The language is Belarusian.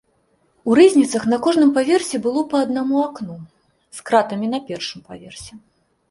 У рызніцах на кожным паверсе было па аднаму акну з кратамі на першым паверсе.